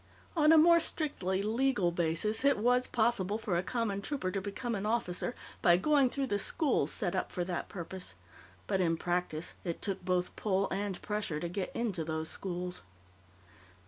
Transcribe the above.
On a more strictly legal basis, it was possible for a common trooper to become an officer by going through the schools set up for that purpose, but, in practice, it took both pull and pressure to get into those schools.